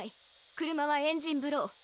くるまはエンジンブロー。